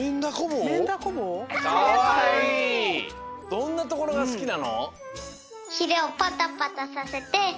どんなところがすきなの？